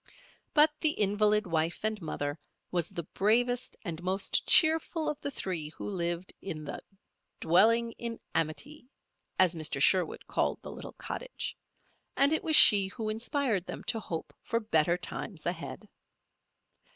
But the invalid wife and mother was the bravest and most cheerful of the three who lived in "the dwelling in amity," as Mr. Sherwood called the little cottage, and it was she who inspired them to hope for better times ahead.